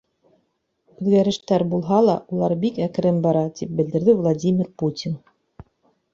Үҙгәрештәр булһа ла, улар бик әкрен бара, — тип белдерҙе Владимир Путин.